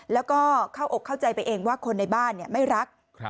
แล้วก็เข้าอกเข้าใจไปเองว่าคนในบ้านไม่รัก